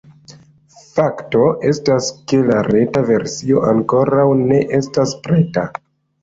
Fakto estas, ke la reta versio ankoraŭ ne estas preta.